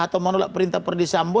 atau menolak perintah perdis ambo